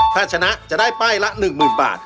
ถ้าชนะจะได้ป้ายละ๑๐๐๐บาท